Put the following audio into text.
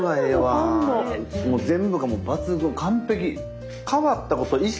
全部がもう抜群完璧！